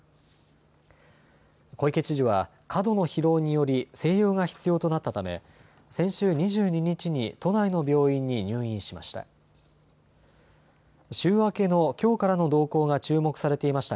小池知事は過度の疲労により静養が必要となったため先週２２日に都内の病院に入院しました。